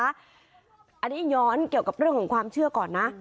อันนี้ย้อนเกี่ยวกับเรื่องของความเชื่อก่อนนะ